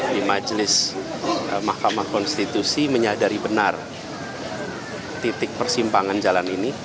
di majelis mahkamah konstitusi menyadari benar titik persimpangan jalan ini